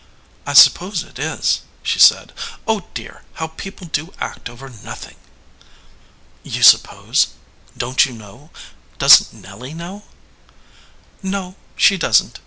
"I suppose it is," she said. "Oh dear! How people do act over nothing!" "You suppose ? Don t you know? Doesn t Nelly know?" "No, she doesn t.